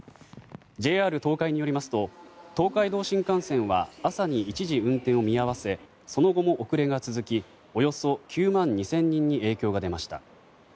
ＪＲ東海によりますと東海道新幹線は朝に一時運転を見合わせその後も遅れが続きおよそ９万２０００人に影響が出ました。